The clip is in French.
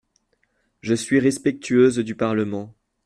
Je suis respectueuse du Parlement.